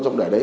rồi để đấy